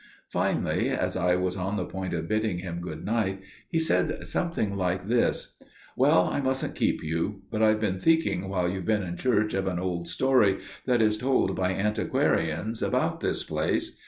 Finally, as I was on the point of bidding him good night, he said something like this: "'Well, I mustn't keep you, but I've been thinking while you've been in church of an old story that is told by antiquarians about this place.